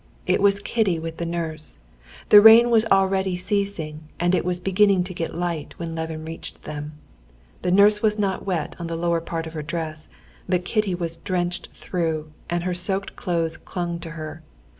It was Kitty with the nurse. The rain was already ceasing, and it was beginning to get light when Levin reached them. The nurse was not wet on the lower part of her dress, but Kitty was drenched through, and her soaked clothes clung to her.